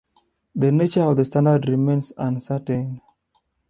The nature of the standard remains uncertain.